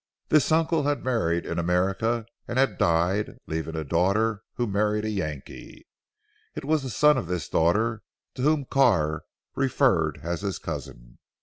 This uncle had married in America, and had died, leaving a daughter who married a Yankee. It was the son of this daughter to whom Carr referred as his cousin.